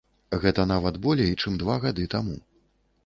Гэта нават болей, чым два гады таму.